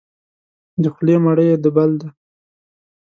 د خولې مړی یې د بل دی.